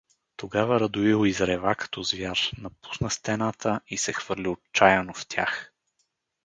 Тогава Радоил изрева като звяр, напусна стената и се хвърли отчаяно в тях.